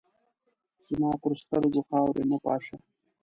زما پر سترګو خاوري مه پاشه !